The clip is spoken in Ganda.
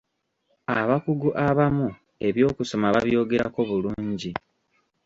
Abakugu abamu eby'okusoma ba byogerako bulungi.